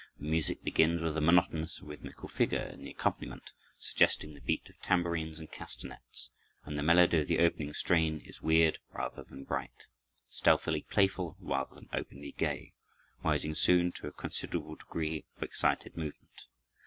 The music begins with a monotonous rhythmical figure in the accompaniment, suggesting the beat of tambourines and castanets, and the melody of the opening strain is weird rather than bright, stealthily playful rather than openly gay, rising soon to a considerable degree of excited movement.